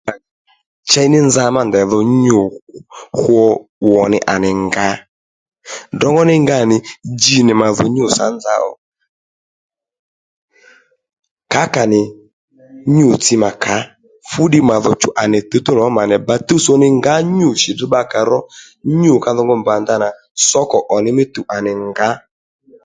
Chěy ní nza má ndèy dho nyû hwo 'wò nì à nì ngǎ drǒngó ní nga nì dji nì màdho nyû sǎ nza ò kǎkà nì nyû-tsi mà kǎ fúddiy màdho chú à nì mà dhò tǔwtǔw ní lò má mà nì dǎ ò mà luw nì tuwtsò nì ngǎ ya nyû shì bbakǎ ro nyû ka dho ngu mbà ndanà sǒkò ò nì mí tuw à nì ngǎ